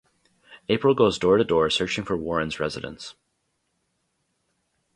April goes door to door searching for Warren's residence.